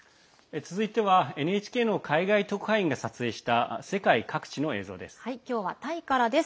続いてはＮＨＫの海外特派員が撮影した今日はタイからです。